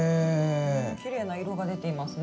きれいな色が出ていますね。